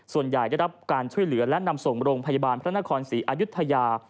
ส่วนใหญ่จะรับการช่วยเหลือและนำส่งบนโรงพยาบาลพระนครศรีอายุทธยา